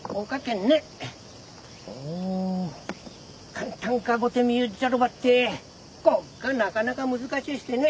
簡単かごて見ゆっじゃろばってこっがなかなかむずかしゅしてね。